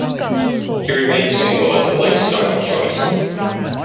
He remained single as a lifestyle choice.